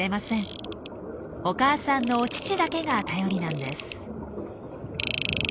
お母さんのお乳だけが頼りなんです。